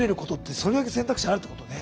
それだけ選択肢あるってことね。